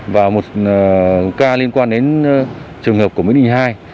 và một ca liên quan đến trường hợp của mỹ đình hai